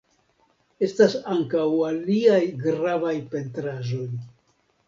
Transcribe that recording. Estas ankaŭ aliaj gravaj pentraĵoj.